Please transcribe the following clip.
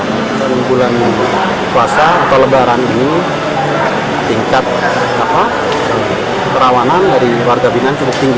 pembulan kuasa atau lebaran ini tingkat perawanan dari warga bingan cukup tinggi